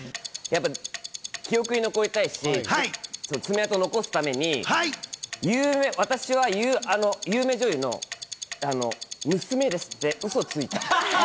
やっぱ記憶に残りたいし、爪痕を残すために、私は有名女優の娘ですって嘘をついた。